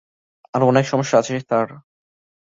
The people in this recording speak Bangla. আরো অনেক সমস্যা আছে, স্যার।